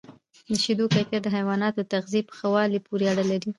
د شیدو کیفیت د حیواناتو د تغذیې په ښه والي پورې اړه لري.